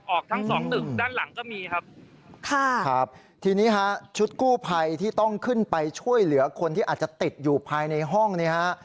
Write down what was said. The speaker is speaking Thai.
ทั้งสองตึกด้านหลังก็มีครับค่ะครับทีนี้ฮะชุดกู้ภัยที่ต้องขึ้นไปช่วยเหลือคนที่อาจจะติดอยู่ภายในห้องเนี่ยฮะ